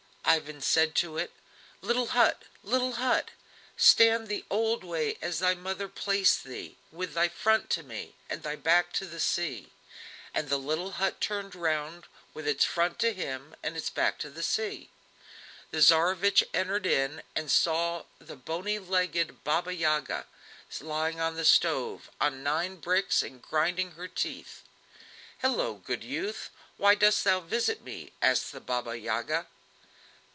Ivan said to it: "Little hut, little hut! stand the old way as thy mother placed thee, with thy front to me, and thy back to the sea!" And the little hut turned round with its front to him, and its back to the sea. The Tsarevich entered in, and saw the bony legged Baba Yaga lying on the stove, on nine bricks and grinding her teeth. "Hillo! good youth, why dost thou visit me?" asked the Baba Yaga.